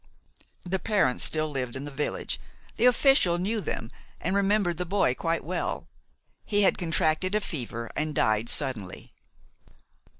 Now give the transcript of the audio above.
The parents still lived in the village. The official knew them, and remembered the boy quite well. He had contracted a fever, and died suddenly.